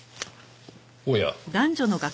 おや。